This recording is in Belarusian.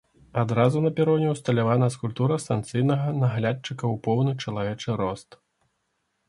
Адразу на пероне ўсталявана скульптура станцыйнага наглядчыка ў поўны чалавечы рост.